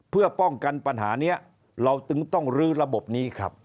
เพื่อป้องกันปัญหานี้เราจึงต้องลื้อระบบนี้ครับ